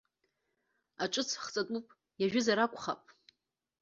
Аҿыц хҵатәуп, иажәызар акәхап!